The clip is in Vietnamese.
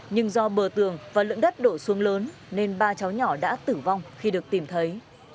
nhưng do bờ tường và lượng đất đổ xuống lớn nên ba cháu nhỏ đã tử vong khi được tìm thấy